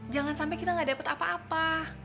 jangan sampai kita gak dapat apa apa